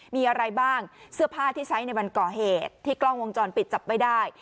มีอะไรบ้างเสื้อผ้าที่ใช้ในวันก่อเหตุที่กล้องวงจรปิดจับไม่ได้